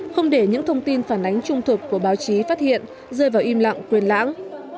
không để những thông tin phản ánh trung thực của báo chí phát hiện rơi vào im lặng quên lãng